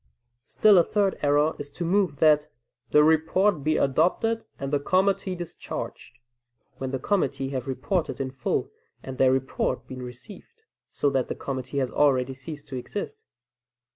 Still a third error is to move that "the report be adopted and the committee discharged," when the committee have reported in full and their report been received, so that the committee has already ceased to exist.